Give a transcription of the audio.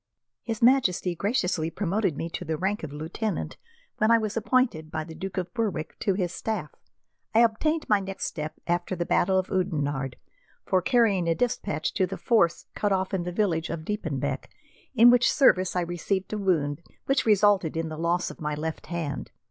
"His Majesty graciously promoted me to the rank of lieutenant when I was appointed by the Duke of Berwick to his staff. I obtained my next step after the battle of Oudenarde, for carrying a despatch to the force cut off in the village of Diepenbeck, in which service I received a wound which resulted in the loss of my left hand.